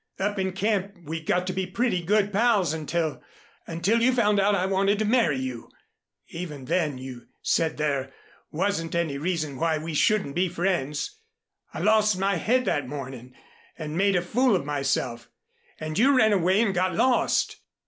Up in camp we got to be pretty good pals until until you found out I wanted to marry you. Even then you said there wasn't any reason why we shouldn't be friends. I lost my head that morning and made a fool of myself and you ran away and got lost.